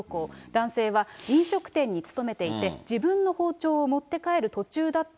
男性は飲食店に勤めていて、自分の包丁を持って帰る途中だった。